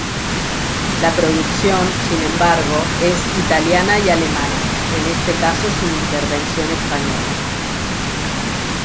La producción, sin embargo, es italiana y alemana, en este caso sin intervención española.